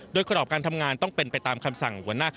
โดยครอบการทำงานต้องเป็นไปตามคำสั่ง